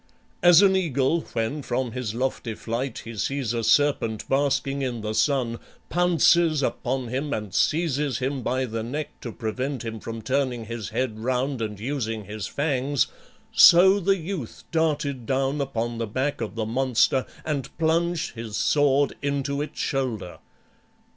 As an eagle, when from his lofty flight he sees a serpent basking in the sun, pounces upon him and seizes him by the neck to prevent him from turning his head round and using his fangs, so the youth darted down upon the back of the monster and plunged his sword into its shoulder.